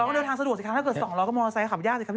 เวลาเดินทางมันไม่ได้ทางสะดวกนะ